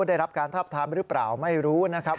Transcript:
ได้รับการทับทามหรือเปล่าไม่รู้นะครับ